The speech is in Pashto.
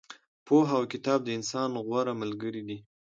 پوهه او کتاب د انسان غوره ملګري دي.